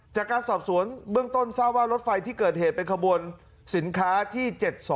จากการสอบสวนเบื้องต้นทราบว่ารถไฟที่เกิดเหตุเป็นขบวนสินค้าที่๗๒